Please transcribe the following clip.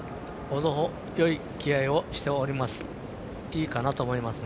程よい気合いをしております。